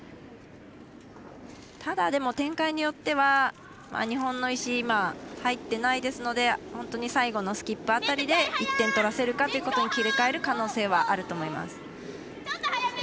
ただ、でも展開によっては日本の石入ってないですので本当に最後のスキップ辺りで１点を取らせるかということに切り替える可能性はあると思います。